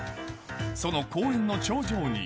その公園の頂上に。